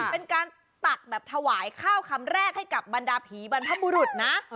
เป็นการตักแบบถวายข้าวคำแรกให้กับบรรดาผีบรรพบุรุษนะ